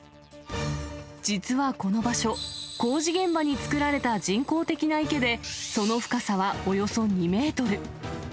実はこの場所、工事現場に作られた人工的な池で、その深さはおよそ２メートル。